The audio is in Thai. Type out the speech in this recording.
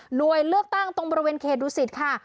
หน่วยเลือกตั้งตรงบริเวณเขตดูสิตค่ะ